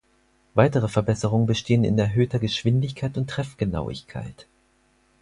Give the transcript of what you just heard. Weitere Verbesserungen bestehen in erhöhter Geschwindigkeit und Treffgenauigkeit.